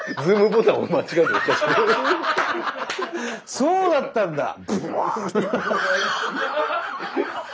そうだったんだ。ブワー！